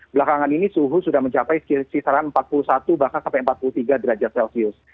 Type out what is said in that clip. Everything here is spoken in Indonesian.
belakangan ini suhu sudah mencapai kisaran empat puluh satu bahkan sampai empat puluh tiga derajat celcius